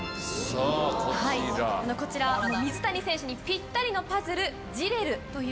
こちら水谷選手にピッタリのパズル。